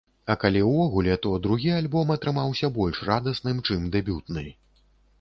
А калі ўвогуле, то другі альбом атрымаўся больш радасным, чым дэбютны.